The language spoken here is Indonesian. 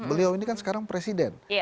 beliau ini kan sekarang presiden